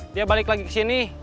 dia balik lagi kesini